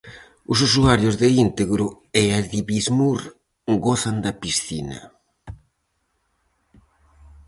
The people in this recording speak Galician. Os usuarios de Íntegro e Adibismur gozan da piscina.